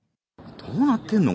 どうなってんの？